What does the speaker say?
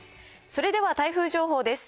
それでは台風情報です。